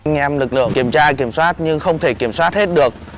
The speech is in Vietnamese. nhàm lực lượng kiểm tra kiểm soát nhưng không thể kiểm soát hết được